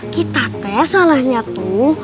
kita tes alahnya tuh